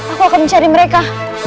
aku akan mencari mereka